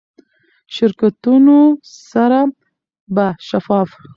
شرکتونو سره به شفاف،